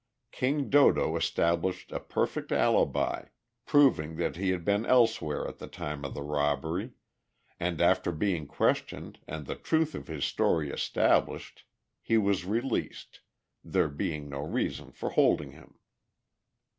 "King Dodo" established a perfect alibi, proving that he had been elsewhere at the time of the robbery, and after being questioned and the truth of his story established, he was released, there being no reason for holding him.